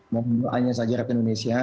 mohon doanya saja republik indonesia